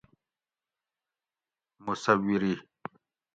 مصوری